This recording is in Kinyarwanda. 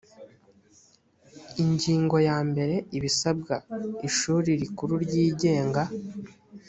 ingingoyambere ibisabwa ishuri rikuru ryigenga